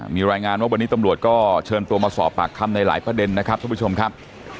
มีรายงานว่าวันนี้ตำรวจก็เชิญตัวมาสอบปากคำในหลายประเด็นนะครับทุกผู้ชมครับ